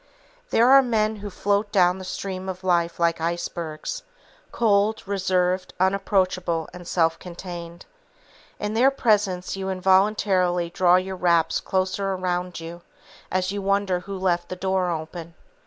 There are men who float down the stream of life like icebergs, cold, reserved, unapproachable and self contained. In their presence you involuntarily draw your wraps closer around you, as you wonder who left the door open.